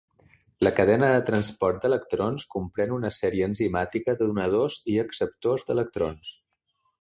La cadena de transport d'electrons comprèn una sèrie enzimàtica de donadors i acceptors d'electrons.